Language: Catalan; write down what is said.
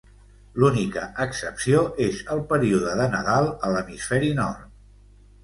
L'única excepció és el període de Nadal a l'hemisferi nord.